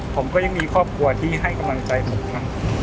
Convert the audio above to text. ผมก็ยังมีครอบครัวที่ให้กำลังใจผมครับ